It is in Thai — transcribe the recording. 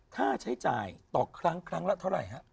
ค่าใช้จ่ายต่อครั้งครั้งละเท่าไหร่ฮะ